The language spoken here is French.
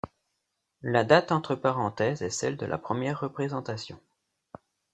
La date entre parenthèses est celle de la première représentation.